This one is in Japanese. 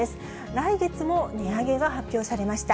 来月も値上げが発表されました。